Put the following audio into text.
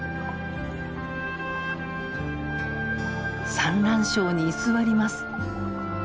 産卵床に居座ります。